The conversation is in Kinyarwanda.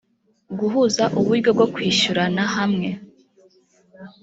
guhuza uburyo bwo kwishyurana hamwe